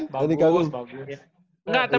tapi bagus sih dia